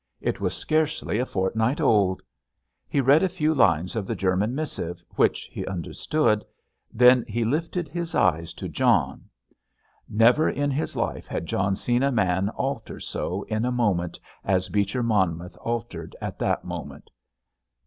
It was scarcely a fortnight old! He read a few lines of the German missive, which he understood, then he lifted his eyes to John. Never in his life had John seen a man alter so in a moment as Beecher Monmouth altered in that moment.